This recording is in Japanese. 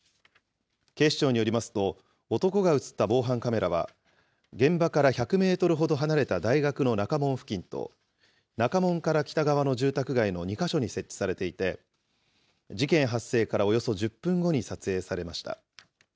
警視庁によりますと、男が写った防犯カメラは、現場から１００メートルほど離れた大学の中門付近と、中門から北側の住宅街の２か所に設置されていて、事件発生からおよそ１０分後に撮影されました。